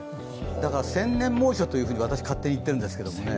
だから千年猛暑と私、勝手に言ってるんですけどね。